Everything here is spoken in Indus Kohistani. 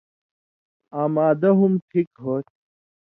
آں معدہ ہم ٹھیک ہو تھی۔